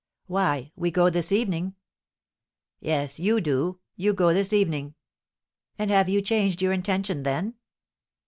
"Why, we go this evening!" "Yes, you do; you go this evening!" "And have you changed your intention, then?"